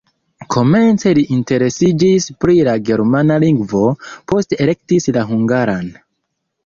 Komence li interesiĝis pri la germana lingvo, poste elektis la hungaran.